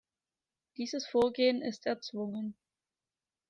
Dieses Vorgehen ist erzwungen.